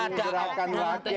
ada gerakan wakil